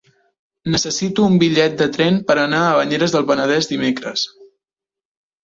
Necessito un bitllet de tren per anar a Banyeres del Penedès dimecres.